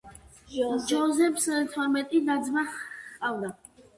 ჯოზეფს თორმეტი და-ძმა ჰყავდა.